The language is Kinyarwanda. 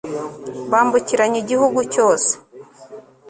bambukiranya igihugu cyose